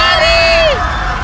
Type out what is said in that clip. api lari api lari